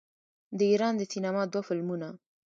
د ایران د سینما دوه فلمونه